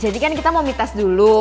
jadi kan kita mau minta tes dulu